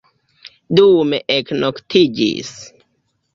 Dume eknoktiĝis.